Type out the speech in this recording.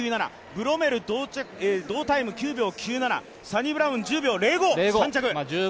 ブロメル同タイム９秒９７サニブラウン１０秒０５、３着。